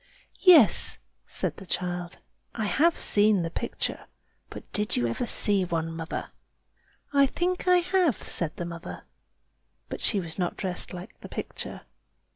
"Yes," said the child; "I have seen the picture. But did you ever see one, mother?" "I think I have," said the mother; "but she was not dressed like the picture."